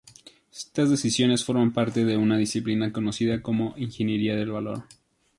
Estas decisiones forman parte de una disciplina conocida como ingeniería del valor.